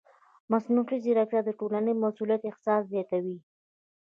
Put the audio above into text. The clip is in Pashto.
مصنوعي ځیرکتیا د ټولنیز مسؤلیت احساس زیاتوي.